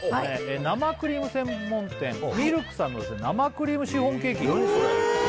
生クリーム専門店ｍｉｌｋさんの生クリームシフォンケーキ何それ？